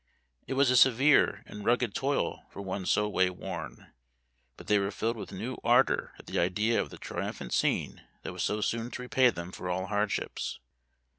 It was a severe and rugged toil for one so way worn ; but they were filled with new ardor at the idea of the triumphant scene that was so soon to re pay them for all hardships.